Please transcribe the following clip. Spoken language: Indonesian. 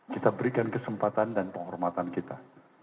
kita berikan kesempatan dan penghormatan kita